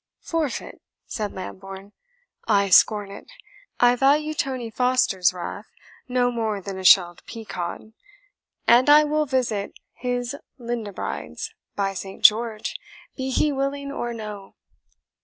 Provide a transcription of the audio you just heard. "Forfeit?" said Lambourne; "I scorn it. I value Tony Foster's wrath no more than a shelled pea cod; and I will visit his Lindabrides, by Saint George, be he willing or no!"